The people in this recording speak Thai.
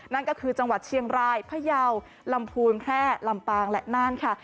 นั่นก็คือจังหวัดเชียงรายพยาวลำพูนแพร่ลำปางและน่านค่ะ